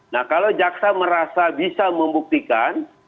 nah kalau jaksa merasa bisa membuktikan